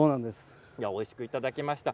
おいしくいただきました。